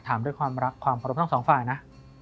ถามด้วยความรักความเคารพทั้งสองฝ่ายนะ